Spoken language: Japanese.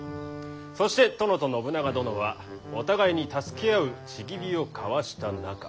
そして殿と信長殿はお互いに助け合う契りを交わした仲。